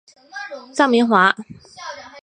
臧明华。